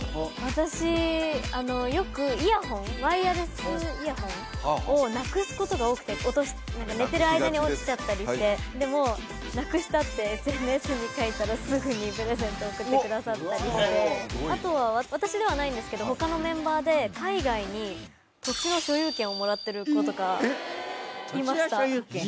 私よくイヤホンワイヤレスイヤホンをなくすことが多くで寝てる間に落ちちゃったりしてでもなくしたってＳＮＳに書いたらすぐにプレゼント贈ってくださったりしてあとは私ではないんですけど他のメンバーでをもらってる子とかいました土地の所有権？